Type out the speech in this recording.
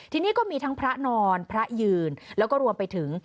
ทีนี้ก็มีทั้งพระนอนพระยืนแล้วก็รวมไปถึง